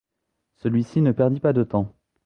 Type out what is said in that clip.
Celui-ci ne perdit pas de temps.